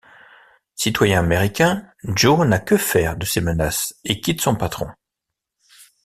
Citoyen américain, Joe n'a que faire de ces menaces et quitte son patron.